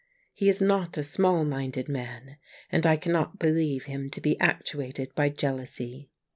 He is not a small minded man, and I cannot believe him to be actuated by jealousy.